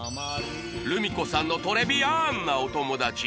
ルミ子さんのトレビアンなお友達